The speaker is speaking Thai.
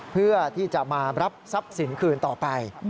เพื่อที่จะมารับทรัพย์สินคืนต่อไป